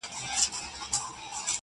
o خو بڼه يې بدله سوې ده,